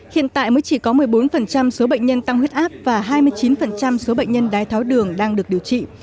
hiện tại mới chỉ có một mươi bốn số bệnh nhân tăng huyết áp và hai mươi chín số bệnh nhân đái tháo đường đang được điều trị